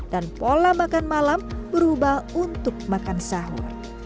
dan pola makan malam berubah untuk makan sahur